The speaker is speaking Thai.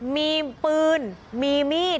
มีปืนมีมีด